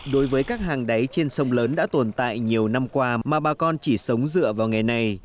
đối với các hàng đáy trên sông lớn đã tồn tại nhiều năm qua mà bà con chỉ sống dựa vào nghề này